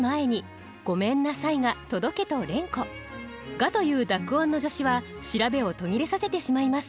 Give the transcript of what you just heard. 「が」という濁音の助詞は調べを途切れさせてしまいます。